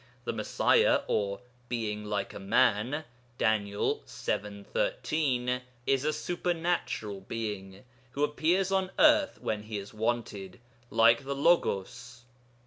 The Messiah, or the Being like a man (Dan. vii. 13), is a supernatural Being, who appears on earth when he is wanted, like the Logos.